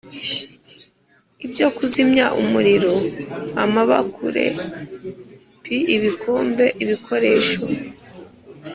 Ibyo Kuzimya Umuriro Amabakure P Ibikombe Ibikoresho